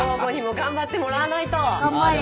頑張れ！